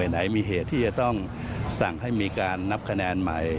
ไหนมีเหตุที่จะต้องสั่งให้มีการนับคะแนนใหม่